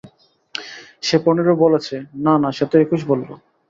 সে পনেরো বলেছে, না, না, সে তো একুশ বললো।